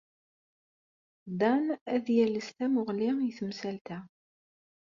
Dan ad yales tamuɣli i temsalt-a.